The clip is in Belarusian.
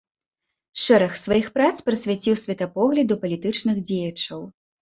Шэраг сваіх прац прысвяціў светапогляду палітычных дзеячаў.